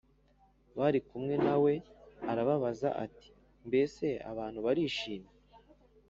bari kumwe na we arababaza ati Mbese abantu barishimye